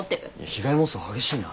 被害妄想激しいな。